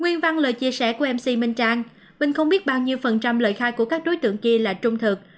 nguyên văn lời chia sẻ của mc minh trang binh không biết bao nhiêu phần trăm lời khai của các đối tượng kia là trung thực